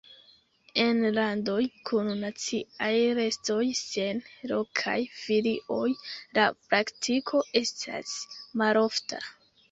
En landoj kun naciaj retoj sen lokaj filioj la praktiko estas malofta.